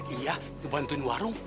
iya ngebantuin warung